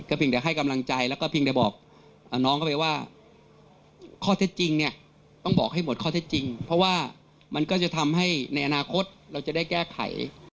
เพียงแต่ให้กำลังใจแล้วก็เพียงแต่บอกน้องเข้าไปว่าข้อเท็จจริงเนี่ยต้องบอกให้หมดข้อเท็จจริงเพราะว่ามันก็จะทำให้ในอนาคตเราจะได้แก้ไข